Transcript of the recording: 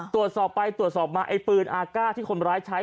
ตรวจสอบไปตรวจสอบมาไอ้ปืนอาก้าที่คนร้ายใช้